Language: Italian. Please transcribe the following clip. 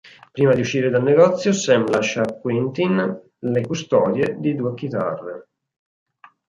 Prima di uscire dal negozio, Sam lascia a Quentin le custodie di due chitarre.